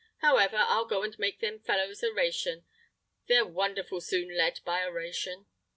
However, I'll go and make them fellows a 'ration: they're wonderful soon led by a 'ration."